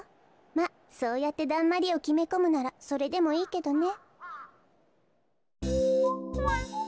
まっそうやってだんまりをきめこむならそれでもいいけどね。